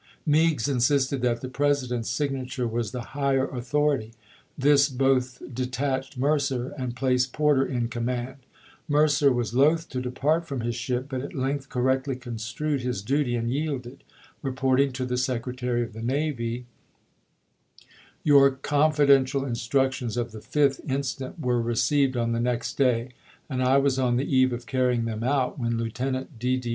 Meigs insisted that the President's signature was the higher author ity; this both detached Mercer and placed Porter in command. Mercer was loth to depart from Ms ship, but at length correctly construed his duty and yielded, reporting to the Secretary of the Navy : FORT PICKENS REENFORCED Your " confidential " instructions of the 5th instant were received on the next day, and I was on the eve of carrying them out, when Lieutenant D. D.